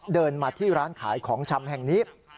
เดินมาที่ร้านขายของชำแห่งนี้